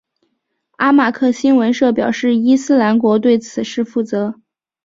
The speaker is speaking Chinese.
阿马克新闻社表示伊斯兰国对此事负责。